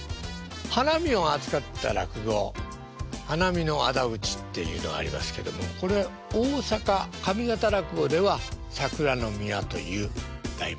花見を扱った落語「花見の仇討」っていうのがありますけどもこれ大阪上方落語では「桜の宮」という題名なんですね。